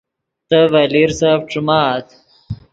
تے ڤے لیرسف ݯیمآت